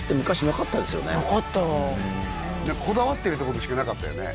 なかったわこだわってるとこでしかなかったよね？